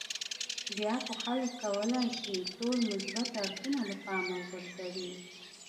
بیا خو خلک کولای شي ټول مثبت اړخونه له پامه وغورځوي.